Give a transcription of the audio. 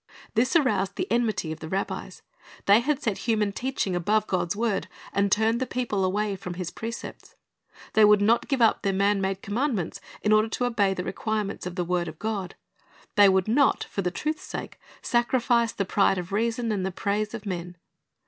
This aroused the enmity of the rabbis. They had set human teaching above God's word, and had turned the people away from His precepts. They would not give up their man made commandments in order to obey the requirements of the word of God. They would not, for the truth's sake, sacrifice the pride of reason and the praise of men.